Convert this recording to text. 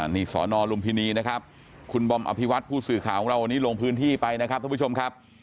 นี่สอนอลุมพินีนะครับคุณบอมอภิวัตผู้สื่อข่าวของเราวันนี้ลงพื้นที่ไปนะครับท่านผู้ชมครับ